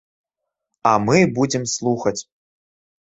А мы будзем слухаць.